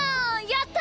やった！